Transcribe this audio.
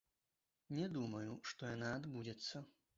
Не думаю, што яна адбудзецца.